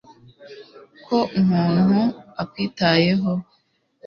ko umuntu akwitayeho